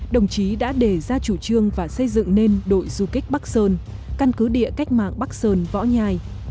đồng chí đã đề ra chủ trương và xây dựng nên đội du kích bắc sơn căn cứ địa cách mạng bắc sơn võ nhai